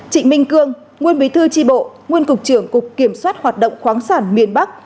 trịnh minh cương nguyên bí thư tri bộ nguyên cục trưởng cục kiểm soát hoạt động khoáng sản miền bắc